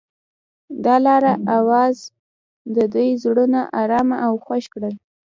د لاره اواز د دوی زړونه ارامه او خوښ کړل.